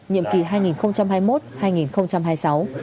nhiệm kỳ hai nghìn hai mươi một hai nghìn hai mươi sáu